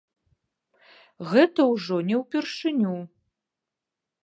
Гэта ўжо не ўпершыню.